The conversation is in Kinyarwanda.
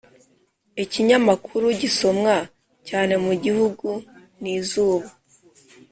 ikinyamakuru gisomwa cyane mu gihugu ni izuba.